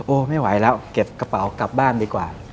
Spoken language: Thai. ไม่ไหวแล้วเก็บกระเป๋ากลับบ้านดีกว่า